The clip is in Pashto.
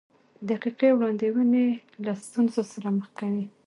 دقیقې وړاندوینې له ستونزو سره مخ کوي.